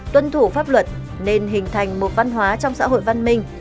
tuân thủ pháp luật nên hình thành một văn hóa trong xã hội văn minh